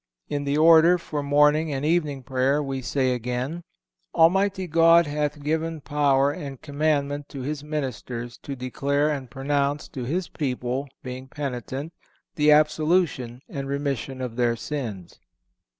In the order for morning and evening prayer we say again, "Almighty God hath given power and commandment to his ministers to declare and pronounce to His people, being penitent, the absolution and remission of their sins."